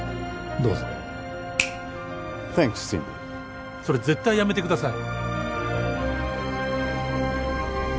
どうぞサンクスシンディーそれ絶対やめてください